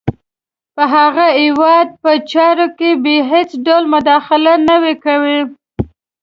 په هغه هیواد په چارو کې به هېڅ ډول مداخله نه کوي.